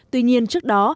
tuy nhiên trước đó